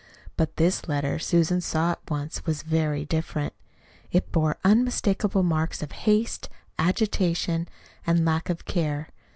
But this letter Susan saw at once was very different. It bore unmistakable marks of haste, agitation, and lack of care.